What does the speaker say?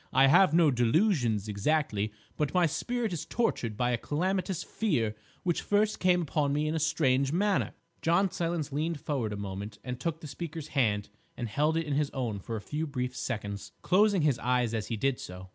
I have no delusions exactly, but my spirit is tortured by a calamitous fear which first came upon me in a strange manner." John Silence leaned forward a moment and took the speaker's hand and held it in his own for a few brief seconds, closing his eyes as he did so.